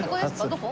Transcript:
どこ？